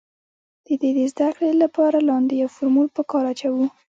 د دې د زده کړې له پاره لاندې يو فورمول په کار اچوو